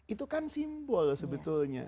itu kan simbol sebetulnya